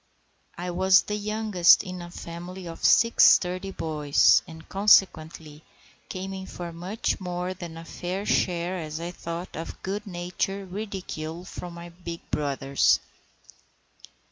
I was the youngest in a family of six sturdy boys, and consequently came in for much more than a fair share, as I thought, of good natured ridicule from my big brothers.